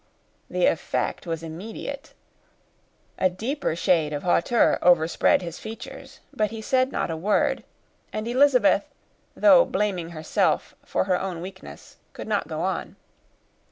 The effect was immediate. A deeper shade of hauteur overspread his features, but he said not a word; and Elizabeth, though blaming herself for her own weakness, could not go on.